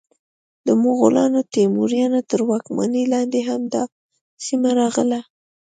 د مغولانو، تیموریانو تر واکمنۍ لاندې هم دا سیمه راغله.